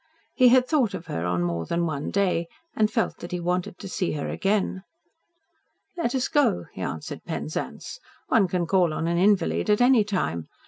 He had thought of her on more than one day, and felt that he wanted to see her again. "Let us go," he answered Penzance. "One can call on an invalid at any time.